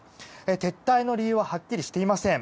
撤退の理由ははっきりしていません。